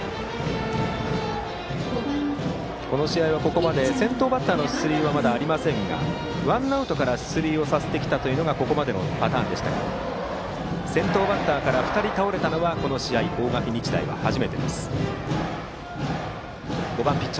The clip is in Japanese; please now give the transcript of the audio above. この試合はここまで先頭バッターの出塁はありませんがワンアウトから出塁をさせてきたのがここまでのパターンでしたが先頭バッターから２人倒れたのはこの試合、大垣日大は初めてです。